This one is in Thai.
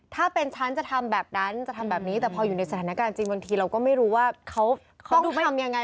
ถ้าเป็นฉันจะทำแบบนั้นจะทำแบบนี้แต่พออยู่ในสถานการณ์จริงบางทีเราก็ไม่รู้ว่าเขาต้องทำยังไง